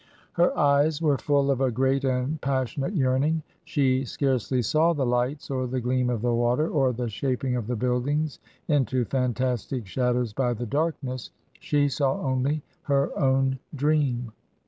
Her 14 158 TRANSITION. eyes were full of a great and passionate yearning ; she scarcely saw the lights or the gleam of the water or the shaping of the buildings into fantastic shadows by the darkness. She saw only her own dream.